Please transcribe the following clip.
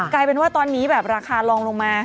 กลายเป็นว่าตอนนี้แบบราคา